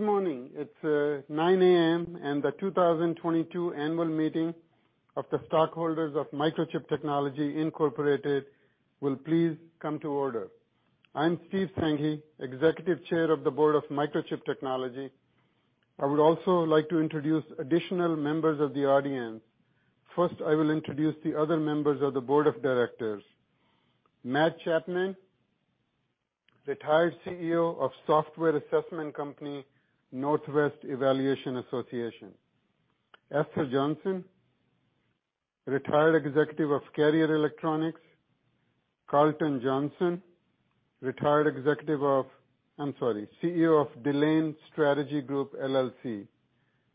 Good morning. It's 9:00 A.M. and the 2022 annual meeting of the stockholders of Microchip Technology Incorporated will please come to order. I'm Steve Sanghi, Executive Chair of the Board of Microchip Technology. I would also like to introduce additional members of the audience. First, I will introduce the other members of the board of directors. Matt Chapman, Retired CEO of software assessment company, Northwest Evaluation Association. Esther Johnson, Retired Executive of Carrier Global Corporation. Karlton Johnson, CEO of Delaine Strategy Group LLC.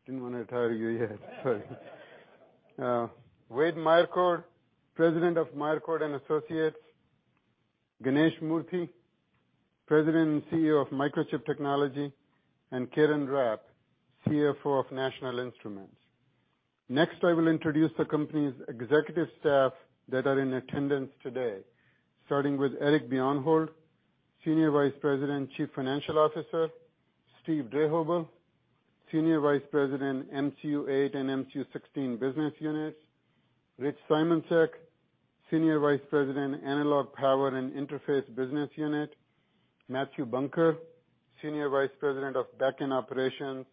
Didn't wanna retire you yet. Sorry. Wade Meyercord, President of Meyercord & Associates. Ganesh Moorthy, President and CEO of Microchip Technology, and Karen Rapp, CFO of National Instruments. Next, I will introduce the company's executive staff that are in attendance today, starting with Eric Bjornholt, Senior Vice President and Chief Financial Officer. Steve Drehobl, Senior Vice President, MCU8 and MCU16 Business Units. Rich Simoncic, Senior Vice President, Analog Power and Interface Business Unit. Mathew Bunker, Senior Vice President of Backend Operations.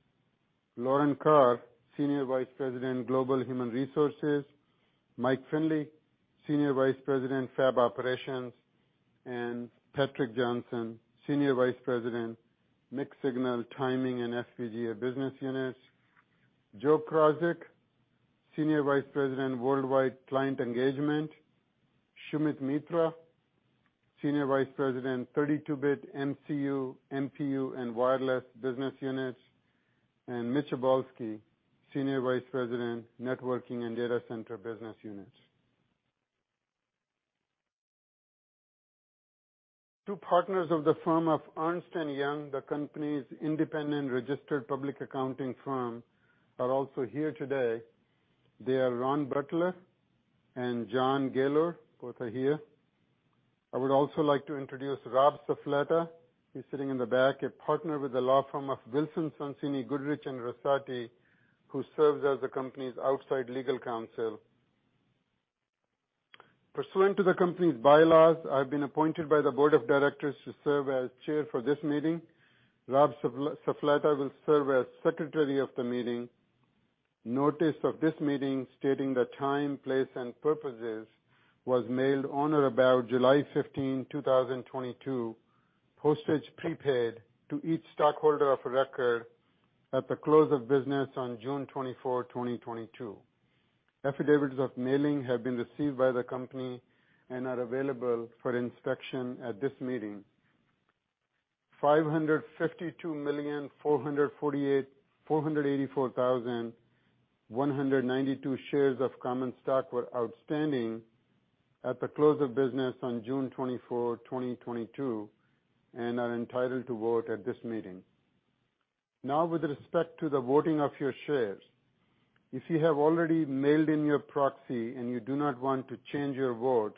Lauren Carr, Senior Vice President, Global Human Resources. Mike Finley, Senior Vice President, Fab Operations, and Patrick Johnson, Senior Vice President, Mixed Signal Timing and FPGA Business Unit. Joe Krawczyk, Senior Vice President, Worldwide Client Engagement. Sumit Mitra, Senior Vice President, 32-bit MCU, MPU and Wireless Business Units, and Mitchel Obolsky, Senior Vice President, Networking and Data Center Business Unit. Two partners of the firm of Ernst & Young, the company's independent registered public accounting firm, are also here today. They are Ron Butler and John Gaylor, both are here. I would also like to introduce Robert Suffoletta, he's sitting in the back, a partner with the law firm of Wilson Sonsini Goodrich & Rosati, who serves as the company's outside legal counsel. Pursuant to the company's bylaws, I've been appointed by the board of directors to serve as chair for this meeting. Robert Suffoletta will serve as secretary of the meeting. Notice of this meeting, stating the time, place, and purposes, was mailed on or about July 15, 2022, postage prepaid to each stockholder of record at the close of business on June 24, 2022. Affidavits of mailing have been received by the company and are available for inspection at this meeting. 552,484,192 shares of common stock were outstanding at the close of business on June 24, 2022, and are entitled to vote at this meeting. Now with respect to the voting of your shares, if you have already mailed in your proxy and you do not want to change your vote,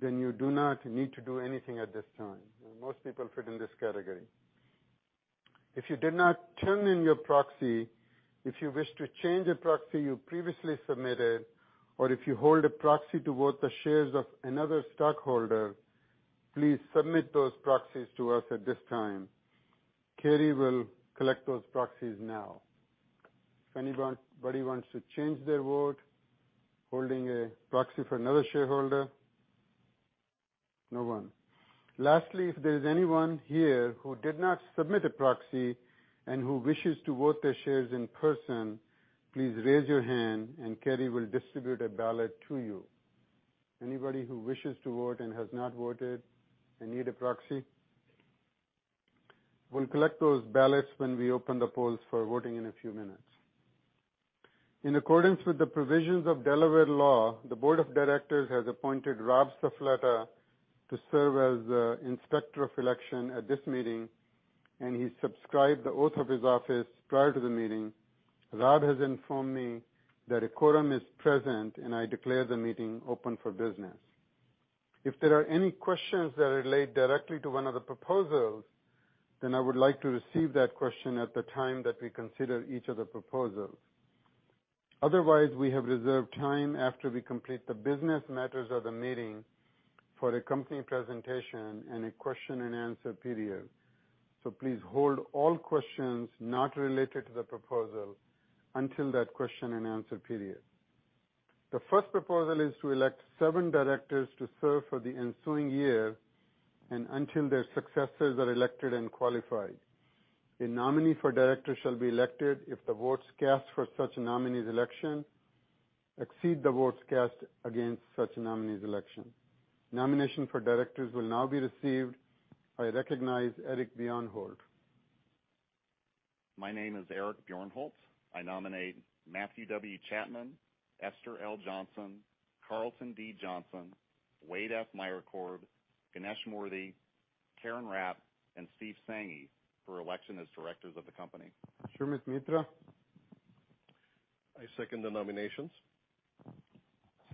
then you do not need to do anything at this time. Most people fit in this category. If you did not turn in your proxy, if you wish to change a proxy you previously submitted, or if you hold a proxy to vote the shares of another stockholder, please submit those proxies to us at this time. Carrie will collect those proxies now. If anybody wants to change their vote, holding a proxy for another shareholder. No one. Lastly, if there's anyone here who did not submit a proxy and who wishes to vote their shares in person, please raise your hand and Carrie will distribute a ballot to you. Anybody who wishes to vote and has not voted and need a proxy? We'll collect those ballots when we open the polls for voting in a few minutes. In accordance with the provisions of Delaware law, the board of directors has appointed Robert Suffoletta to serve as inspector of election at this meeting, and he subscribed the oath of his office prior to the meeting. Rob has informed me that a quorum is present, and I declare the meeting open for business. If there are any questions that relate directly to one of the proposals, then I would like to receive that question at the time that we consider each of the proposals. Otherwise, we have reserved time after we complete the business matters of the meeting for a company presentation and a question and answer period. Please hold all questions not related to the proposal until that question and answer period. The first proposal is to elect seven directors to serve for the ensuing year and until their successors are elected and qualified. A nominee for director shall be elected if the votes cast for such a nominee's election exceed the votes cast against such a nominee's election. Nomination for directors will now be received. I recognize Eric Bjornholt. My name is Eric Bjornholt. I nominate Matthew W. Chapman, Esther L. Johnson, Karlton D. Johnson, Wade F. Meyercord, Ganesh Moorthy, Karen Rapp, and Steve Sanghi for election as directors of the company. Sumit Mitra? I second the nominations.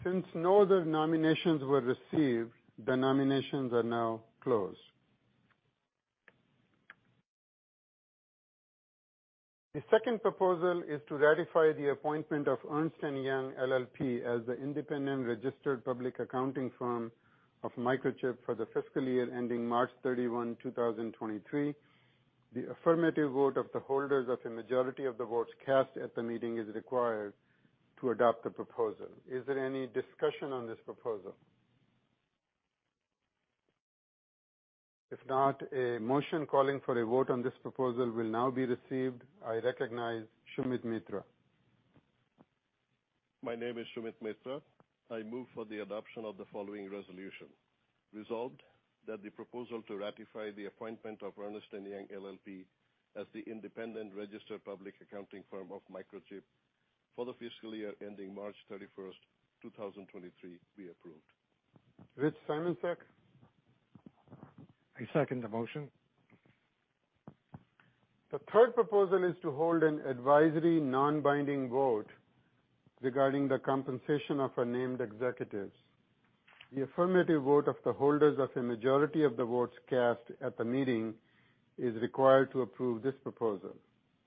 Since no other nominations were received, the nominations are now closed. The second proposal is to ratify the appointment of Ernst & Young LLP as the independent registered public accounting firm of Microchip for the fiscal year ending March 31, 2023. The affirmative vote of the holders of a majority of the votes cast at the meeting is required to adopt the proposal. Is there any discussion on this proposal? If not, a motion calling for a vote on this proposal will now be received. I recognize Sumit Mitra. My name is Sumit Mitra. I move for the adoption of the following resolution. Resolved that the proposal to ratify the appointment of Ernst & Young LLP as the independent registered public accounting firm of Microchip for the fiscal year ending March 31st, two thousand twenty-three be approved. Rich Simoncic. I second the motion. The third proposal is to hold an advisory non-binding vote regarding the compensation of our named executives. The affirmative vote of the holders of a majority of the votes cast at the meeting is required to approve this proposal.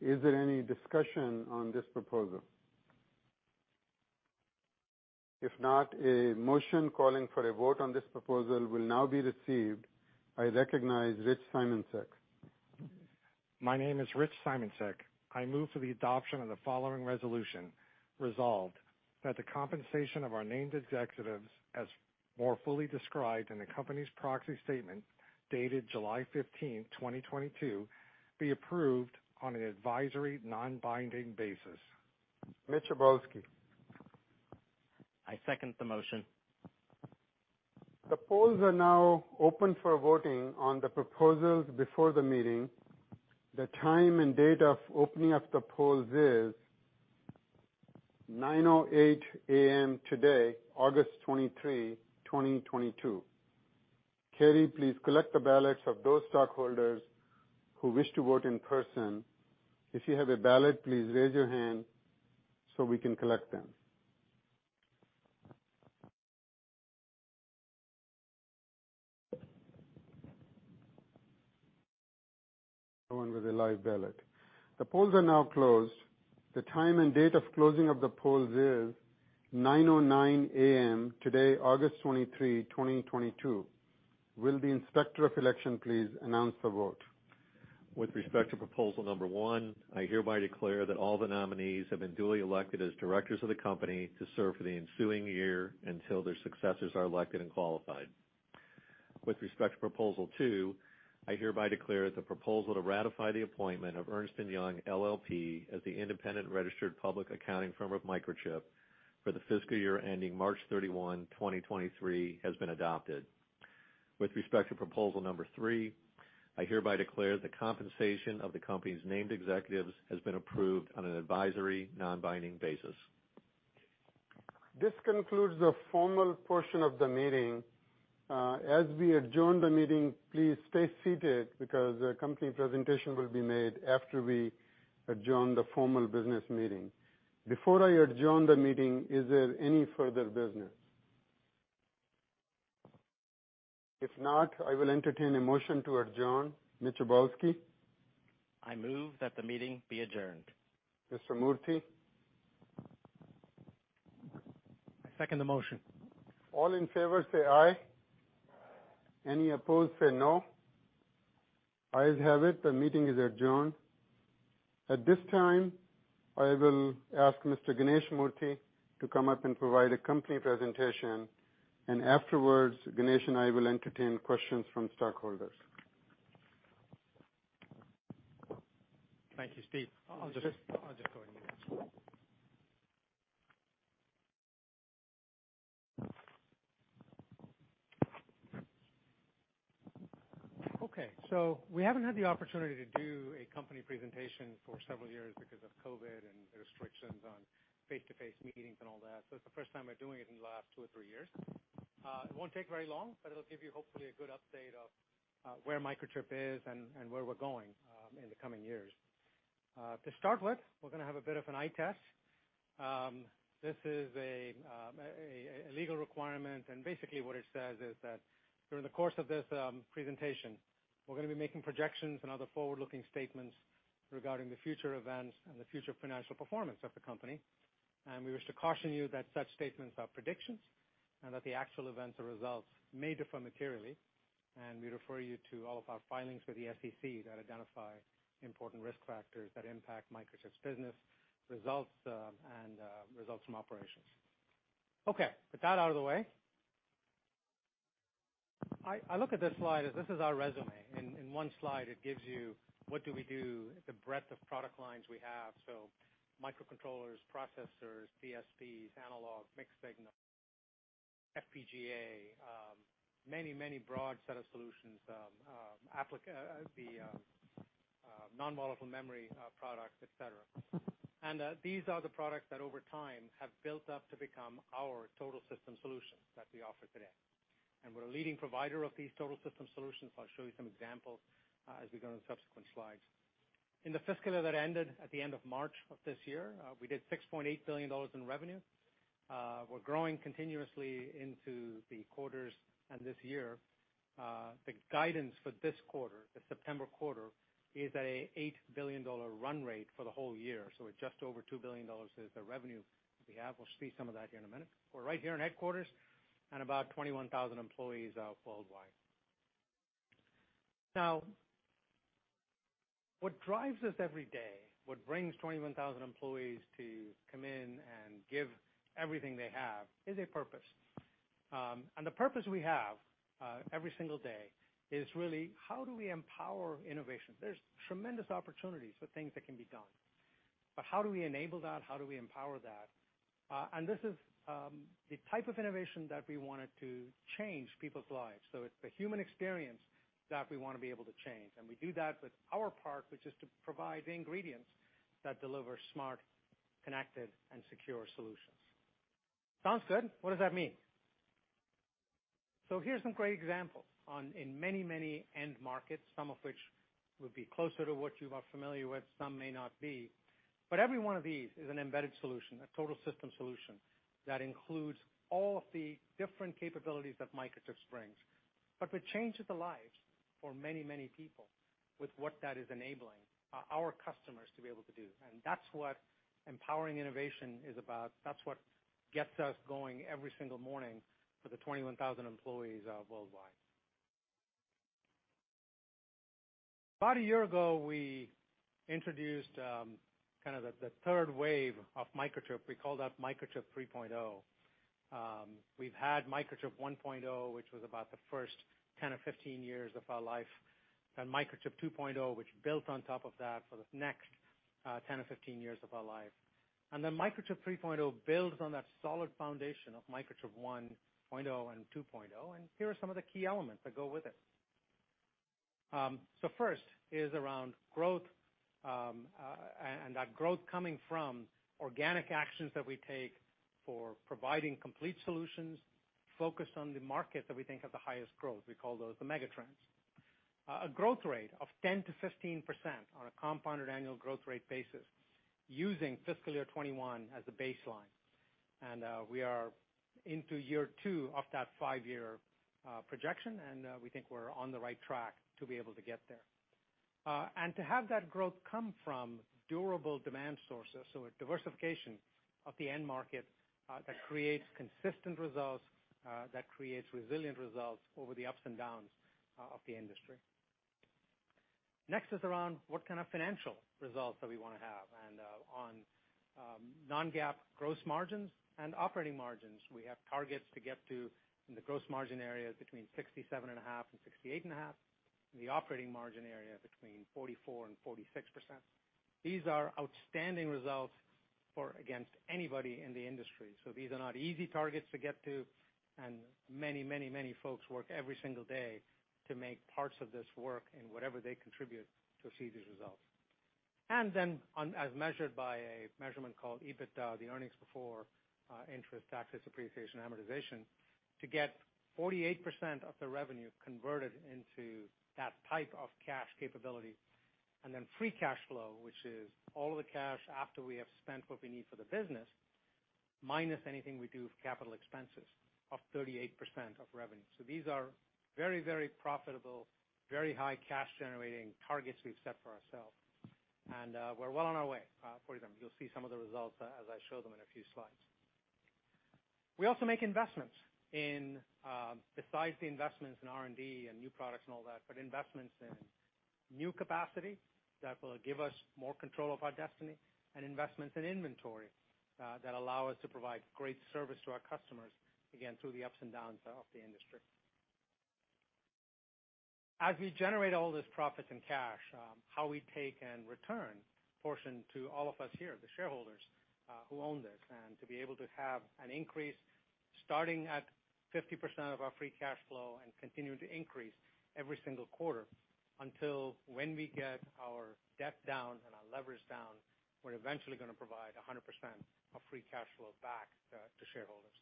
Is there any discussion on this proposal? If not, a motion calling for a vote on this proposal will now be received. I recognize Rich Simoncic. My name is Rich Simoncic. I move to the adoption of the following resolution. Resolved that the compensation of our named executives as more fully described in the company's proxy statement dated July 15, 2022, be approved on an advisory non-binding basis. Mitchel Obolsky. I second the motion. The polls are now open for voting on the proposals before the meeting. The time and date of opening up the polls is 9:08 A.M. today, August 23, 2022. Carrie, please collect the ballots of those stockholders who wish to vote in person. If you have a ballot, please raise your hand so we can collect them. No one with a live ballot. The polls are now closed. The time and date of closing of the polls is 9:09 A.M. today, August 23, 2022. Will the Inspector of Election please announce the vote. With respect to proposal number one, I hereby declare that all the nominees have been duly elected as directors of the company to serve for the ensuing year until their successors are elected and qualified. With respect to proposal two, I hereby declare that the proposal to ratify the appointment of Ernst & Young LLP as the independent registered public accounting firm of Microchip for the fiscal year ending March 31, 2023 has been adopted. With respect to proposal number three, I hereby declare the compensation of the company's named executives has been approved on an advisory non-binding basis. This concludes the formal portion of the meeting. As we adjourn the meeting, please stay seated because a company presentation will be made after we adjourn the formal business meeting. Before I adjourn the meeting, is there any further business? If not, I will entertain a motion to adjourn. Mitchel Obolsky. I move that the meeting be adjourned. Mr. Moorthy. I second the motion. All in favor say aye. Any opposed say no. Ayes have it. The meeting is adjourned. At this time, I will ask Mr. Ganesh Moorthy to come up and provide a company presentation, and afterwards, Ganesh and I will entertain questions from stockholders. Thank you, Steve. I'll just go ahead. Okay, we haven't had the opportunity to do a company presentation for several years because of COVID and the restrictions on face-to-face meetings and all that. It's the first time we're doing it in the last two or three years. It won't take very long, but it'll give you hopefully a good update of where Microchip is and where we're going in the coming years. To start with, we're gonna have a bit of an eye test. This is a legal requirement, and basically what it says is that during the course of this presentation, we're gonna be making projections and other forward-looking statements regarding the future events and the future financial performance of the company. We wish to caution you that such statements are predictions and that the actual events or results may differ materially, and we refer you to all of our filings with the SEC that identify important risk factors that impact Microchip's business results, and results from operations. Okay, with that out of the way. I look at this slide as this is our resume. In one slide, it gives you what do we do, the breadth of product lines we have. So microcontrollers, processors, DSPs, analog, mixed signal, FPGA, many broad set of solutions, the non-volatile memory products, et cetera. These are the products that over time have built up to become our total system solutions that we offer today. We're a leading provider of these total system solutions. I'll show you some examples as we go on subsequent slides. In the fiscal year that ended at the end of March of this year, we did $6.8 billion in revenue. We're growing continuously into the quarters and this year. The guidance for this quarter, the September quarter, is a $8 billion dollar run rate for the whole year, so just over $2 billion is the revenue we have. We'll see some of that here in a minute. We're right here in headquarters and about 21,000 employees worldwide. Now, what drives us every day, what brings 21,000 employees to come in and give everything they have, is a purpose. The purpose we have every single day is really how do we empower innovation? There's tremendous opportunities for things that can be done. How do we enable that? How do we empower that? This is the type of innovation that we wanted to change people's lives. It's the human experience that we wanna be able to change. We do that with our part, which is to provide the ingredients that deliver smart, connected, and secure solutions. Sounds good. What does that mean? Here's some great examples on, in many, many end markets, some of which will be closer to what you are familiar with, some may not be. Every one of these is an embedded solution, a total system solution, that includes all of the different capabilities that Microchip brings. It changes the lives for many, many people with what that is enabling our customers to be able to do. That's what empowering innovation is about. That's what gets us going every single morning for the 21,000 employees worldwide. About a year ago, we introduced kind of the third wave of Microchip. We call that Microchip 3.0. We've had Microchip 1.0, which was about the first 10 or 15 years of our life, and Microchip 2.0, which built on top of that for the next 10 or 15 years of our life. Microchip 3.0 builds on that solid foundation of Microchip 1.0 and 2.0, and here are some of the key elements that go with it. First is around growth, and that growth coming from organic actions that we take for providing complete solutions focused on the markets that we think have the highest growth. We call those the mega trends. A growth rate of 10%-15% on a compounded annual growth rate basis using fiscal year 2021 as a baseline. We are into year two of that five-year projection, and we think we're on the right track to be able to get there. To have that growth come from durable demand sources, so a diversification of the end market that creates consistent results that creates resilient results over the ups and downs of the industry. Next is around what kind of financial results that we wanna have, and on non-GAAP gross margins and operating margins, we have targets to get to in the gross margin areas between 67.5%-68.5%, and the operating margin area between 44%-46%. These are outstanding results compared against anybody in the industry. These are not easy targets to get to, and many folks work every single day to make parts of this work and whatever they contribute to see these results. As measured by a measurement called EBITDA, the earnings before interest, taxes, depreciation, amortization, to get 48% of the revenue converted into that type of cash capability, and then free cash flow, which is all of the cash after we have spent what we need for the business, minus anything we do with capital expenses of 38% of revenue. These are very profitable, very high cash-generating targets we've set for ourselves. We're well on our way for them. You'll see some of the results as I show them in a few slides. We also make investments in, besides the investments in R&D and new products and all that, but investments in new capacity that will give us more control of our destiny and investments in inventory, that allow us to provide great service to our customers, again, through the ups and downs, of the industry. As we generate all this profits and cash, how we take and return portion to all of us here, the shareholders, who own this, and to be able to have an increase starting at 50% of our free cash flow and continue to increase every single quarter until when we get our debt down and our leverage down, we're eventually gonna provide 100% of free cash flow back, to shareholders.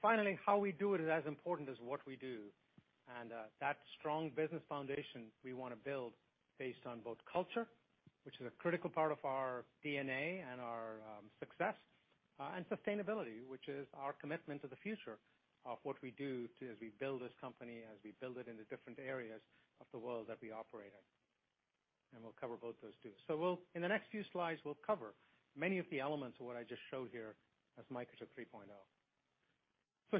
Finally, how we do it is as important as what we do. That strong business foundation we wanna build based on both culture, which is a critical part of our DNA and our success, and sustainability, which is our commitment to the future of what we do to, as we build this company, as we build it in the different areas of the world that we operate in. We'll cover both those two. In the next few slides, we'll cover many of the elements of what I just showed here as Microchip 3.0.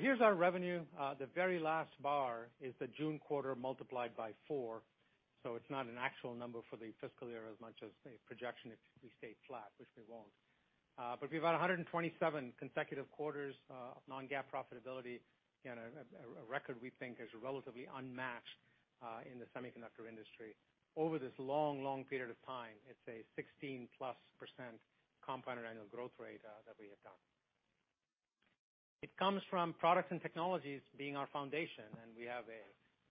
Here's our revenue. The very last bar is the June quarter multiplied by four, so it's not an actual number for the fiscal year as much as a projection if we stayed flat, which we won't. We've had 127 consecutive quarters of non-GAAP profitability in a record we think is relatively unmatched in the semiconductor industry. Over this long period of time, it's a 16%+ compounded annual growth rate that we have done. It comes from products and technologies being our foundation, and we have a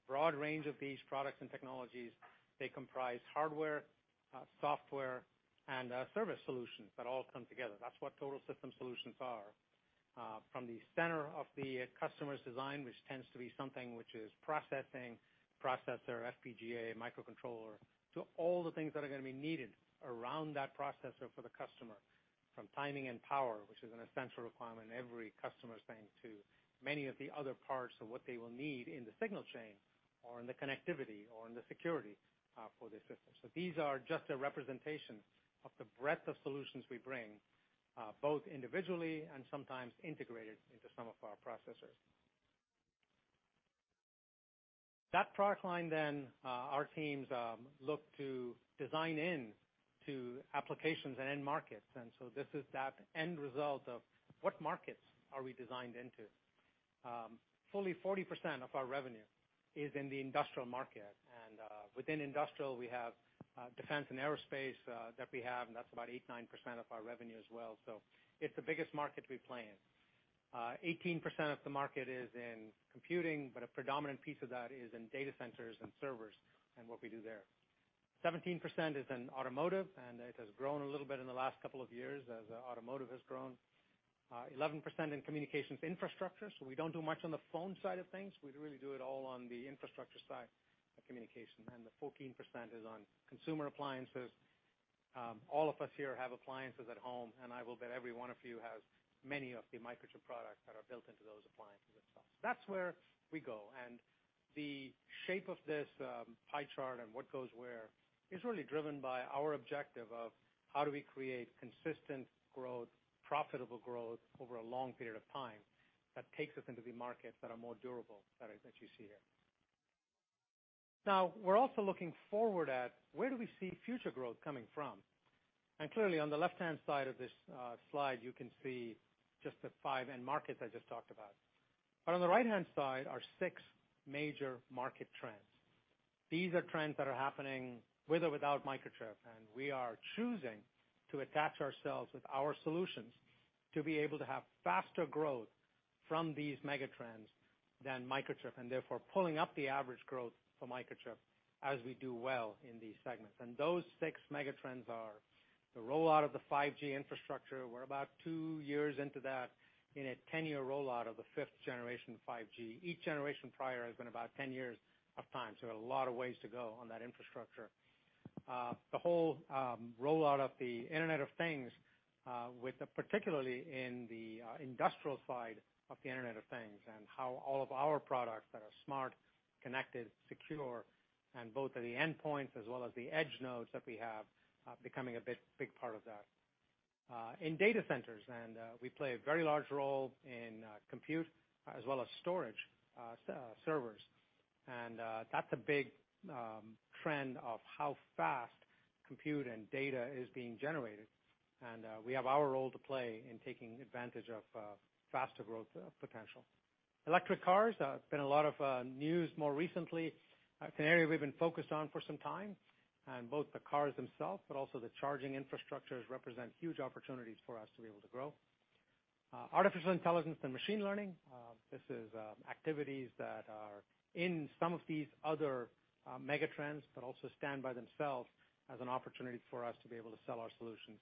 broad range of these products and technologies, they comprise hardware, software, and service solutions that all come together. That's what total system solutions are. From the center of the customer's design, which tends to be something which is processing, processor, FPGA, microcontroller, to all the things that are gonna be needed around that processor for the customer, from timing and power, which is an essential requirement every customer is saying to many of the other parts of what they will need in the signal chain or in the connectivity or in the security, for their systems. These are just a representation of the breadth of solutions we bring, both individually and sometimes integrated into some of our processors. That product line then, our teams look to design in to applications and end markets. This is that end result of what markets are we designed into? Fully 40% of our revenue is in the industrial market, and within industrial, we have defense and aerospace, and that's about 8%-9% of our revenue as well. It's the biggest market we play in. 18% of the market is in computing, but a predominant piece of that is in data centers and servers and what we do there. 17% is in automotive, and it has grown a little bit in the last couple of years as automotive has grown. 11% in communications infrastructure, so we don't do much on the phone side of things. We really do it all on the infrastructure side of communication. The 14% is on consumer appliances. All of us here have appliances at home, and I will bet every one of you has many of the Microchip products that are built into those appliances itself. That's where we go. The shape of this pie chart and what goes where is really driven by our objective of how do we create consistent growth, profitable growth over a long period of time that takes us into the markets that are more durable that you see here. Now, we're also looking forward at where do we see future growth coming from. Clearly, on the left-hand side of this slide, you can see just the five end markets I just talked about. On the right-hand side are six major market trends. These are trends that are happening with or without Microchip, and we are choosing to attach ourselves with our solutions to be able to have faster growth from these mega trends than Microchip, and therefore pulling up the average growth for Microchip as we do well in these segments. Those six mega trends are the rollout of the 5G infrastructure. We're about two years into that in a 10-year rollout of the fifth generation 5G. Each generation prior has been about 10 years of time, so a lot of ways to go on that infrastructure. The whole rollout of the Internet of Things, particularly in the industrial side of the Internet of Things and how all of our products that are smart, connected, secure, and both at the endpoints as well as the edge nodes that we have becoming a bit big part of that. In data centers, we play a very large role in compute as well as storage servers. That's a big trend of how fast compute and data is being generated. We have our role to play in taking advantage of faster growth potential. Electric cars have been a lot of news more recently. It's an area we've been focused on for some time, and both the cars themselves, but also the charging infrastructures represent huge opportunities for us to be able to grow. Artificial intelligence and machine learning, this is activities that are in some of these other mega trends, but also stand by themselves as an opportunity for us to be able to sell our solutions.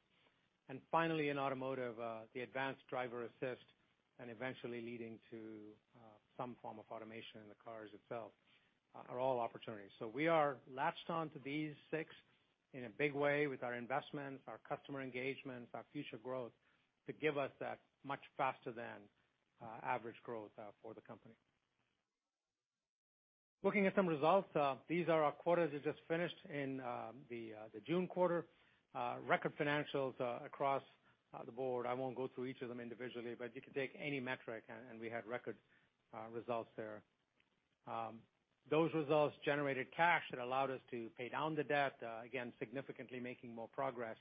Finally, in automotive, the advanced driver assist and eventually leading to some form of automation in the cars itself are all opportunities. We are latched on to these six in a big way with our investments, our customer engagements, our future growth to give us that much faster than average growth for the company. Looking at some results, these are our quarters we just finished in, the June quarter. Record financials across the board. I won't go through each of them individually, but you could take any metric and we had record results there. Those results generated cash that allowed us to pay down the debt again, significantly making more progress.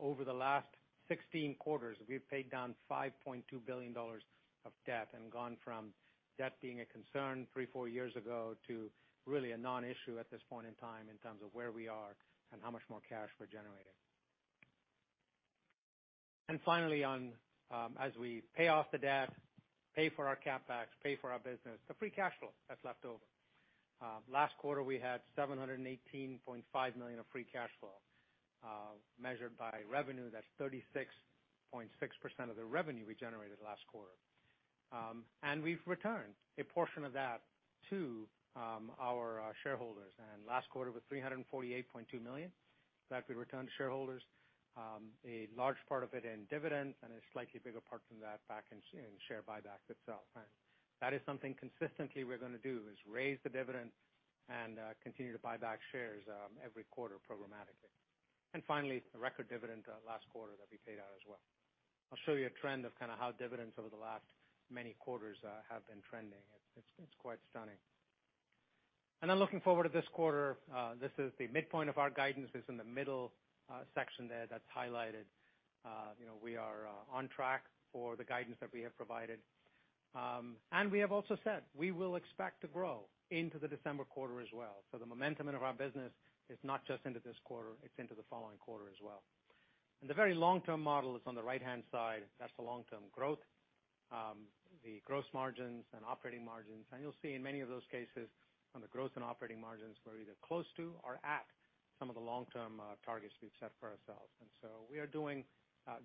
Over the last 16 quarters, we've paid down $5.2 billion of debt and gone from debt being a concern three, four years ago to really a non-issue at this point in time in terms of where we are and how much more cash we're generating. Finally, as we pay off the debt, pay for our CapEx, pay for our business, the free cash flow that's left over. Last quarter, we had $718.5 million of free cash flow, measured by revenue. That's 36.6% of the revenue we generated last quarter. We've returned a portion of that to our shareholders. Last quarter was $348.2 million that we returned to shareholders, a large part of it in dividends and a slightly bigger part from that back in share buyback itself. That is something consistently we're gonna do is raise the dividend and continue to buy back shares every quarter programmatically. Finally, a record dividend last quarter that we paid out as well. I'll show you a trend of kind of how dividends over the last many quarters have been trending. It's quite stunning. Then looking forward to this quarter, this is the midpoint of our guidance is in the middle section there that's highlighted. You know, we are on track for the guidance that we have provided. We have also said we will expect to grow into the December quarter as well. The momentum in our business is not just into this quarter, it's into the following quarter as well. The very long-term model is on the right-hand side. That's the long-term growth, the gross margins and operating margins. You'll see in many of those cases, on the gross and operating margins, we're either close to or at some of the long-term targets we've set for ourselves. We are doing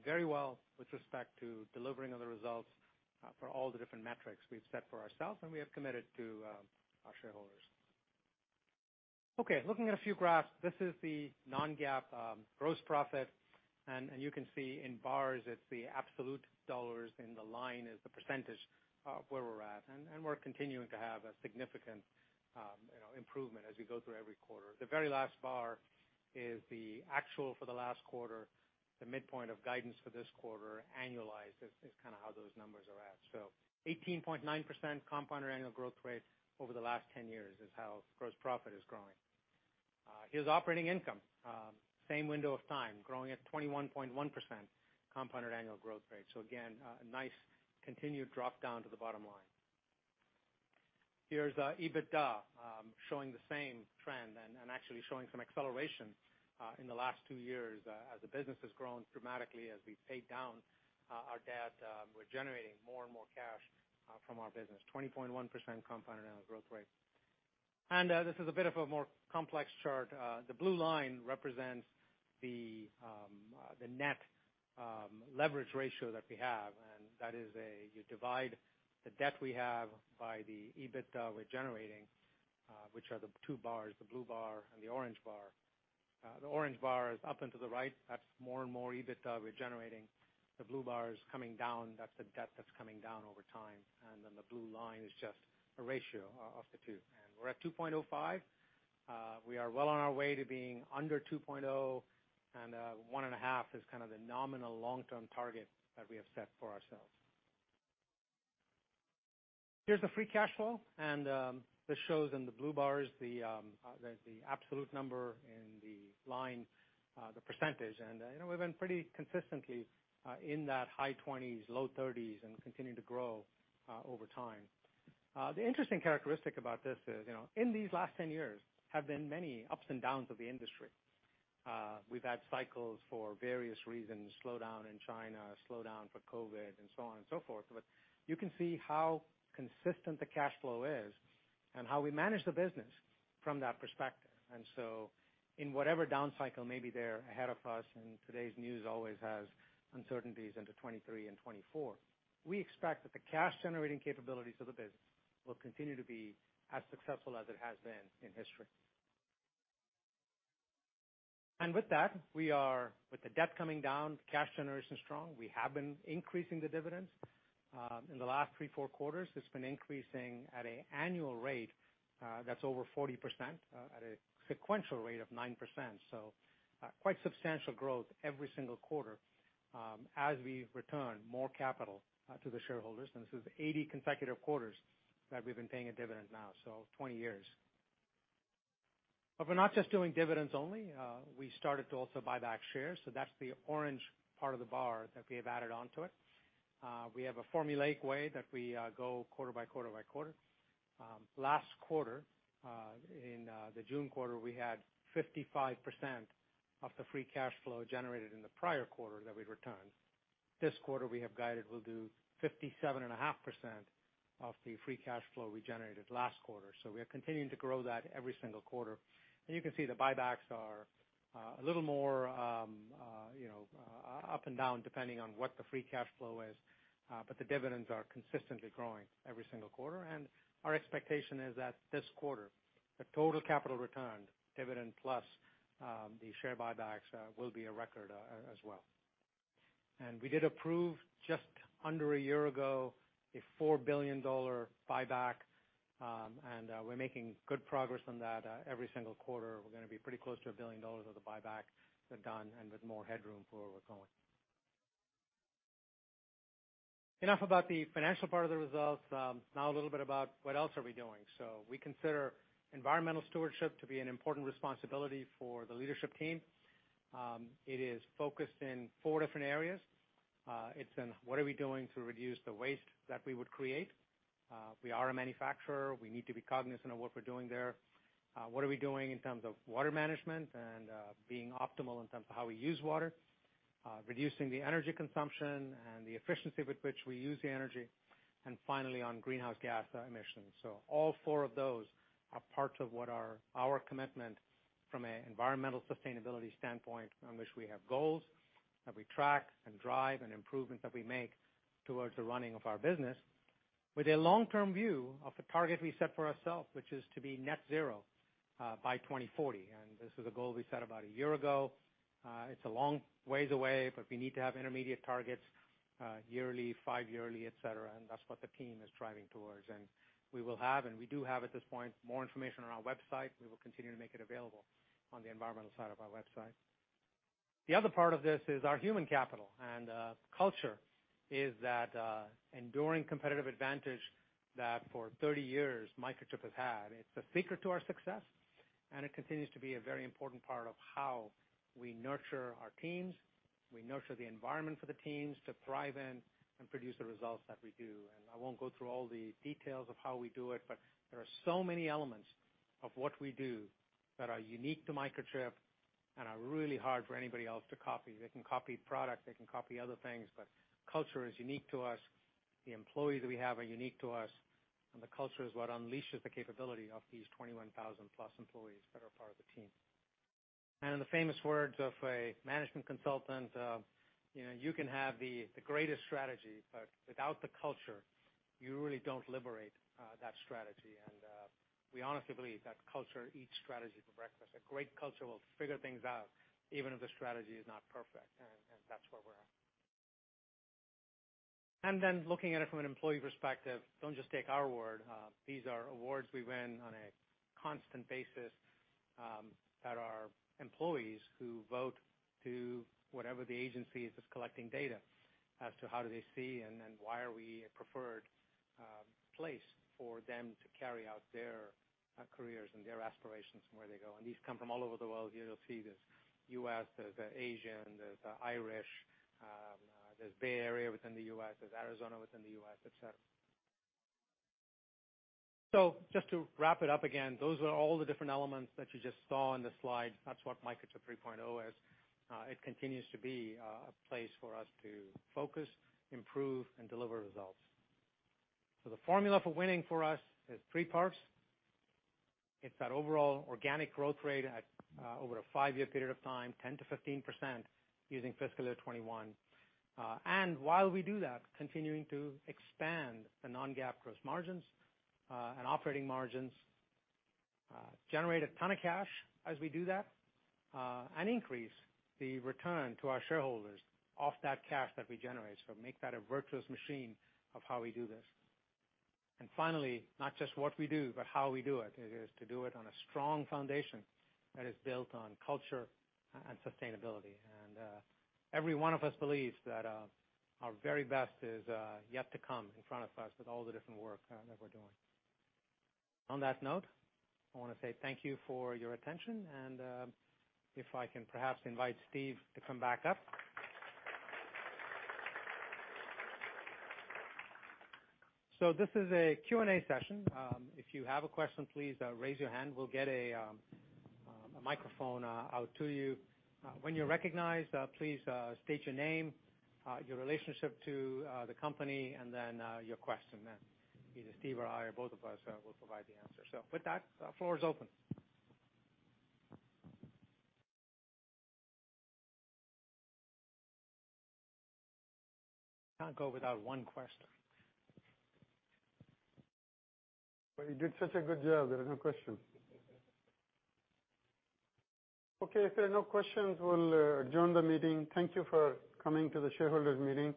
very well with respect to delivering on the results for all the different metrics we've set for ourselves and we have committed to our shareholders. Okay, looking at a few graphs. This is the non-GAAP gross profit, and you can see in bars it's the absolute dollars, and the line is the percentage of where we're at. We're continuing to have a significant improvement as we go through every quarter. The very last bar is the actual for the last quarter, the midpoint of guidance for this quarter, annualized is kind of how those numbers are at. 18.9% compounded annual growth rate over the last 10 years is how gross profit is growing. Here's operating income. Same window of time, growing at 21.1% compounded annual growth rate. Again, a nice continued drop down to the bottom line. Here's EBITDA showing the same trend and actually showing some acceleration in the last two years as the business has grown dramatically as we pay down our debt, we're generating more and more cash from our business. 20.1% compounded annual growth rate. This is a bit of a more complex chart. The blue line represents the net leverage ratio that we have, and that is, you divide the debt we have by the EBITDA we're generating, which are the two bars, the blue bar and the orange bar. The orange bar is up and to the right. That's more and more EBITDA we're generating. The blue bar is coming down. That's the debt that's coming down over time. The blue line is just a ratio of the two. We're at 2.05. We are well on our way to being under 2.0, and 1.5 is kind of the nominal long-term target that we have set for ourselves. Here's the free cash flow, and this shows in the blue bars the absolute number, in the line the percentage. You know, we've been pretty consistently in that high 20s, low 30s, and continuing to grow over time. The interesting characteristic about this is, you know, in these last 10 years have been many ups and downs of the industry. We've had cycles for various reasons, slowdown in China, slowdown for COVID, and so on and so forth. You can see how consistent the cash flow is and how we manage the business from that perspective. In whatever down cycle may be there ahead of us, and today's news always has uncertainties into 2023 and 2024, we expect that the cash-generating capabilities of the business will continue to be as successful as it has been in history. With that, we are, with the debt coming down, cash generation strong, we have been increasing the dividends. In the last three, four quarters, it's been increasing at an annual rate, that's over 40%, at a sequential rate of 9%. Quite substantial growth every single quarter, as we return more capital to the shareholders. This is 80 consecutive quarters that we've been paying a dividend now, so 20 years. We're not just doing dividends only. We started to also buyback shares, so that's the orange part of the bar that we have added onto it. We have a formulaic way that we go quarter by quarter by quarter. Last quarter, in the June quarter, we had 55% of the free cash flow generated in the prior quarter that we returned. This quarter we have guided we'll do 57.5% of the free cash flow we generated last quarter. We are continuing to grow that every single quarter. You can see the buybacks are a little more, you know, up and down depending on what the free cash flow is, but the dividends are consistently growing every single quarter. Our expectation is that this quarter, the total capital return, dividend plus, the share buybacks, will be a record, as well. We did approve just under a year ago a $4 billion buyback, and, we're making good progress on that, every single quarter. We're gonna be pretty close to $1 billion of the buyback, done and with more headroom for where we're going. Enough about the financial part of the results. Now a little bit about what else are we doing. We consider environmental stewardship to be an important responsibility for the leadership team. It is focused in four different areas. It's in what are we doing to reduce the waste that we would create. We are a manufacturer. We need to be cognizant of what we're doing there. What are we doing in terms of water management and being optimal in terms of how we use water? Reducing the energy consumption and the efficiency with which we use the energy. Finally, on greenhouse gas emissions. All four of those are parts of what are our commitment from an environmental sustainability standpoint on which we have goals that we track and drive and improvements that we make towards the running of our business with a long-term view of the target we set for ourselves, which is to be net zero by 2040. This is a goal we set about a year ago. It's a long ways away, but we need to have intermediate targets yearly, five yearly, et cetera, and that's what the team is driving towards. We will have, and we do have at this point, more information on our website. We will continue to make it available on the environmental side of our website. The other part of this is our human capital and culture is that enduring competitive advantage that for 30 years Microchip has had. It's the secret to our success, and it continues to be a very important part of how we nurture our teams, we nurture the environment for the teams to thrive in and produce the results that we do. I won't go through all the details of how we do it, but there are so many elements of what we do that are unique to Microchip and are really hard for anybody else to copy. They can copy products, they can copy other things, but culture is unique to us. The employees we have are unique to us, and the culture is what unleashes the capability of these 21+ employees that are part of the team. In the famous words of a management consultant, you know, you can have the greatest strategy, but without the culture, you really don't liberate that strategy. We honestly believe that culture eats strategy for breakfast. A great culture will figure things out even if the strategy is not perfect, and that's where we're at. Looking at it from an employee perspective, don't just take our word. These are awards we win on a constant basis, that are employees who vote to whatever the agency is that's collecting data as to how do they see and then why are we a preferred place for them to carry out their careers and their aspirations and where they go. These come from all over the world. Here you'll see there's U.S., there's Asian, there's Irish, there's Bay Area within the U.S., there's Arizona within the U.S., etc. Just to wrap it up again, those are all the different elements that you just saw in the slide. That's what Microchip 3.0 is. It continues to be a place for us to focus, improve, and deliver results. The formula for winning for us is three parts. It's that overall organic growth rate at over a five-year period of time, 10%-15% using fiscal year 2021. While we do that, continuing to expand the non-GAAP gross margins and operating margins, generate a ton of cash as we do that, and increase the return to our shareholders off that cash that we generate. Make that a virtuous machine of how we do this. Finally, not just what we do, but how we do it, is to do it on a strong foundation that is built on culture and sustainability. Every one of us believes that our very best is yet to come in front of us with all the different work that we're doing. On that note, I wanna say thank you for your attention and if I can perhaps invite Steve to come back up. This is a Q&A session. If you have a question, please raise your hand. We'll get a microphone out to you. When you're recognized, please state your name, your relationship to the company, and then your question. Then either Steve or I, or both of us, will provide the answer. With that, the floor is open. Can't go without one question. Well, you did such a good job, there are no questions. Okay. If there are no questions, we'll adjourn the meeting. Thank you for coming to the shareholders' meeting.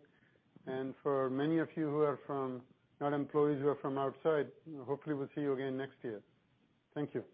For many of you who are from, not employees, who are from outside, hopefully we'll see you again next year. Thank you.